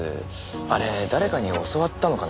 あれ誰かに教わったのかな？